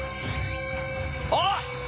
あっ！